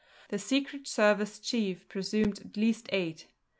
The Secret Service chief presumed at least eight.